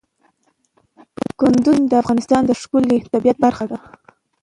کندز سیند د افغانستان د ښکلي طبیعت برخه ده.